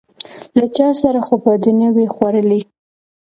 _له چا سره خو به دي نه و ي خوړلي؟